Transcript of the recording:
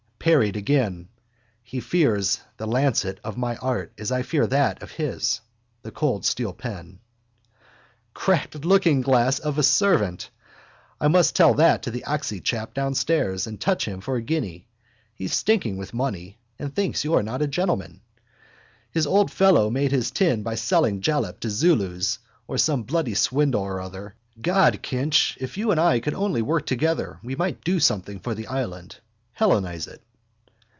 Parried again. He fears the lancet of my art as I fear that of his. The cold steel pen. —Cracked lookingglass of a servant! Tell that to the oxy chap downstairs and touch him for a guinea. He's stinking with money and thinks you're not a gentleman. His old fellow made his tin by selling jalap to Zulus or some bloody swindle or other. God, Kinch, if you and I could only work together we might do something for the island. Hellenise it.